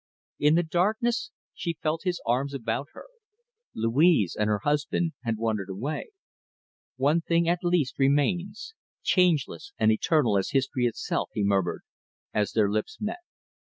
In the darkness she felt his arms about her. Louise and her husband had wandered away. "One thing at least remains, changeless and eternal as history itself," he murmured, as their lips met.